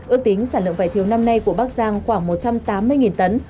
ước tính sản lượng vải thiều năm nay của bắc giang khoảng một trăm tám mươi tấn